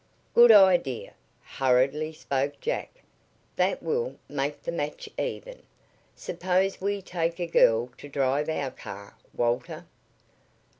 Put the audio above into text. "Good idea!" hurriedly spoke Jack. "That will `make the match even. Suppose we take a girl to drive our car, Walter?"